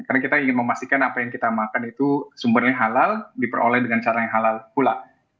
karena kita ingin memastikan apa yang kita makan itu sumbernya halal diperoleh dengan cara yang halal pula